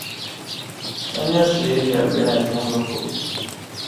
香江是一条越南中部的河流。